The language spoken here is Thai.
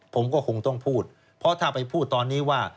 ผมก็คงต้องพูดเพราะถ้าไปพูดตอนนี้ว่า